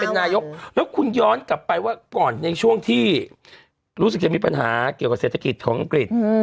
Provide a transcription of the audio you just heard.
นายกแล้วคุณย้อนกลับไปว่าก่อนในช่วงที่รู้สึกจะมีปัญหาเกี่ยวกับเศรษฐกิจของอังกฤษ